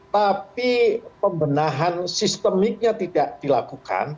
tapi pembenahan sistemiknya tidak dilakukan